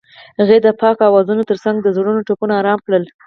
هغې د پاک اوازونو ترڅنګ د زړونو ټپونه آرام کړل.